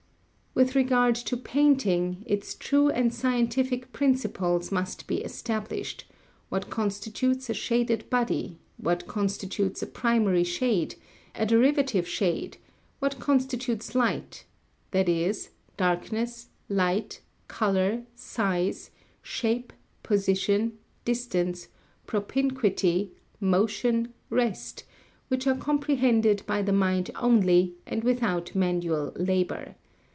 With regard to painting, its true and scientific principles must be established: what constitutes a shaded body, what constitutes a primary shade, a derivative shade, what constitutes light: that is, darkness, light, colour, size, shape, position, distance, propinquity, motion, rest, which are comprehended by the mind only, and without manual labour.